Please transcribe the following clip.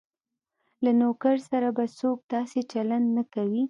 له نوکر سره به څوک داسې چلند نه کوي.